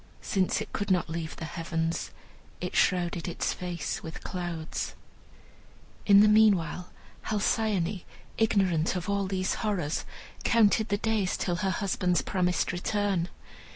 Since it could not leave the heavens, it shrouded its face with clouds. In the meanwhile Halcyone, ignorant of all these horrors, counted the days till her husband's promised return.